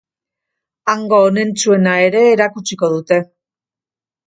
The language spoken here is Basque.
Hango onentsuena ere erakutsiko dute.